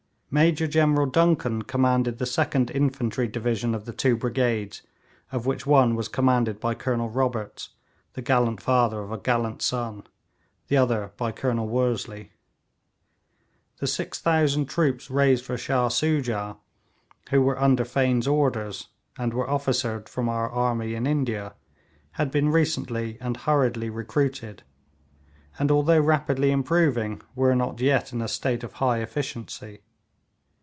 Major General Duncan commanded the second infantry division of the two brigades, of which one was commanded by Colonel Roberts, the gallant father of a gallant son, the other by Colonel Worsley. The 6000 troops raised for Shah Soojah, who were under Fane's orders, and were officered from our army in India, had been recently and hurriedly recruited, and although rapidly improving, were not yet in a state of high efficiency.